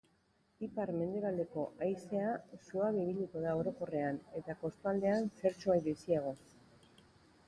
Ipar-mendebaldeko haizea suabe ibiliko da orokorrean, eta kostaldean zertxobait biziago.